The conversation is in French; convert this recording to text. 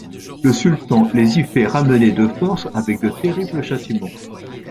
Le sultan les y fait ramener de force avec de terribles châtiments.